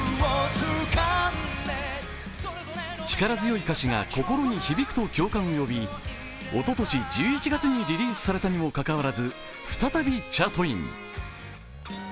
力強い歌詞が心に響くと共感を呼びおととし１１月にリリースされたにもかかわらず再びチャートイン。